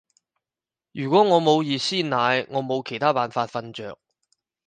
如果我冇熱鮮奶，我冇其他辦法瞓着